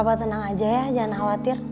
apa tenang aja ya jangan khawatir